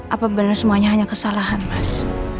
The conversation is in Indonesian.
apa benar semuanya hanya kesalahan mas